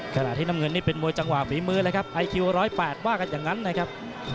ขณะที่น้ำเงินนี่เป็นมวยจังหวะฝีมือเลยครับไอคิว๑๐๘ว่ากันอย่างนั้นนะครับ